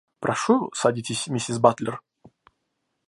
Прошу, садитесь, миссис Батлер.